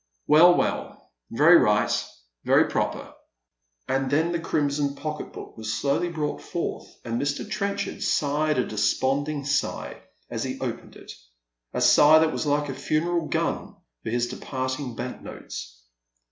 " Well, well, veiy right, very proper." And then the crimson pocket book was slowly brought forth, and Mr. Trenchard sighed a desponding sigh as he opened it, a sigh that was like a funeral gun for his departed bank notes.